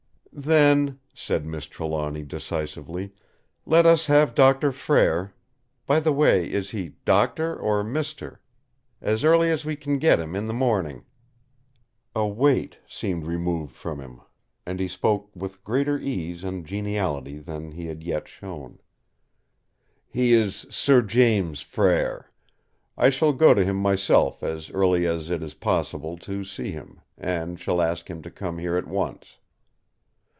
"Then," said Miss Trelawny decisively, "let us have Doctor Frere—by the way, is he 'Doctor' or 'Mister'?—as early as we can get him in the morning!" A weight seemed removed from him, and he spoke with greater ease and geniality than he had yet shown: "He is Sir James Frere. I shall go to him myself as early as it is possible to see him, and shall ask him to come here at once."